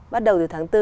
bắt đầu từ tháng bốn